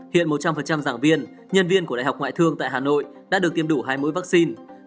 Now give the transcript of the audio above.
hiện một trăm linh giảng viên nhân viên của đại học ngoại thương tại hà nội đã được tiêm đủ hai mũi vaccine